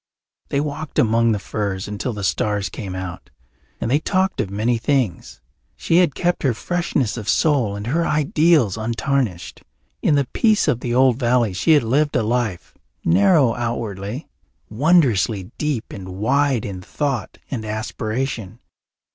They walked among the firs until the stars came out, and they talked of many things. She had kept her freshness of soul and her ideals untarnished. In the peace of the old valley she had lived a life, narrow outwardly, wondrously deep and wide in thought and aspiration.